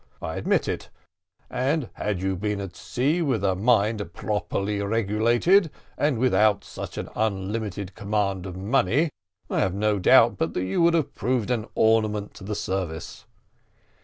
I admit it; and had you been sent to sea with a mind properly regulated, and without such an unlimited command of money, I have no doubt but that you would have proved an ornament to the service.